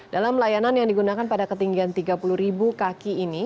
dalam layanan yang digunakan pada ketinggian tiga puluh ribu kaki ini